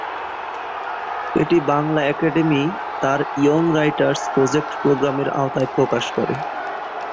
এটি বাংলা একাডেমি তার young writers project প্রোগ্রামের আওতায় প্রকাশ করে।